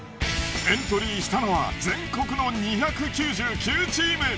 エントリーしたのは全国の２９９チーム！